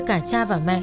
cả cha và mẹ